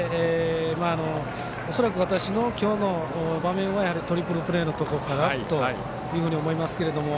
おそらく私の場面はトリプルプレーのところかなと思いますけどね。